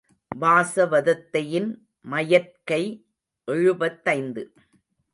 வாசவதத்தையின் மயற்கை எழுபத்தைந்து.